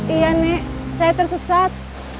iya nek saya tersesat